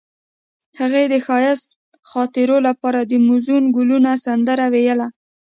هغې د ښایسته خاطرو لپاره د موزون ګلونه سندره ویله.